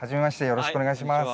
よろしくお願いします。